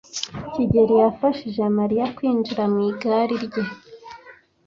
kigeli yafashije Mariya kwinjira mu igare rye.